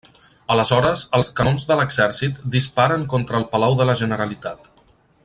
Aleshores els canons de l'exèrcit disparen contra el Palau de la Generalitat.